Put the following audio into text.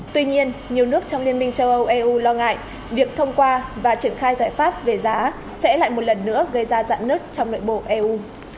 tuy nhiên nhiều nước trong liên minh châu âu eu lo ngại việc thông qua và triển khai giải pháp về giá sẽ lại một lần nữa gây ra dạn nứt trong nội bộ eu